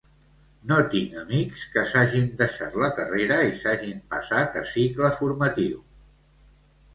No tinc amics que s'hagin deixat la carrera i s'hagin passat a cicle formatiu.